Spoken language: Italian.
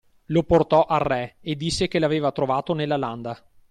Lo portò al re e disse che l'aveva trovato nella landa